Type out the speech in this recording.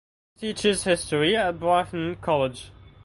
She teaches history at Breifne College.